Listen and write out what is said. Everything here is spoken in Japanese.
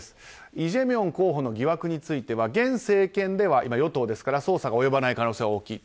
イ・ジェミョン候補の疑惑については、現政権では今、与党ですから捜査が及ばない可能性が大きいと。